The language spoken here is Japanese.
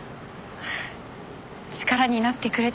力になってくれたのに。